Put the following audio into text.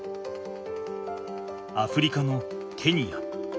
アフリカのケニア。